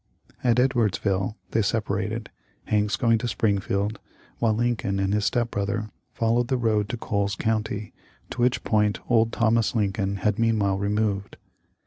At Edwardsville they separated. Hanks going to Springfield, while Lincoln and his step brother followed the road to Coles county, to which point old Thomas Lincoln had meanwhile removed.